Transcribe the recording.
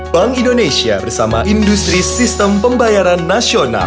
bank indonesia bersama industri sistem pembayaran nasional